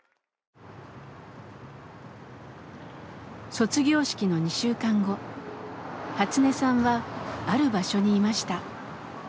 卒業式の２週間後ハツネさんはある場所にいました。